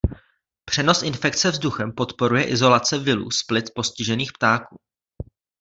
Přenos infekce vzduchem podporuje izolace viru z plic postižených ptáků.